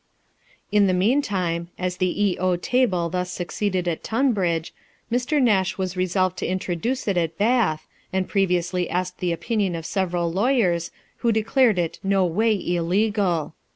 In the mean time, as the E table thus succeeded at Tunbridge, Mr. Nash was resolved to introduce it at Bath, and previously asked the opinion of several lawyers, who declared it no way illegal.